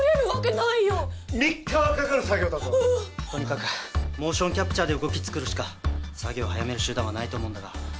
とにかくモーションキャプチャーで動き作るしか作業早める手段はないと思うんだが。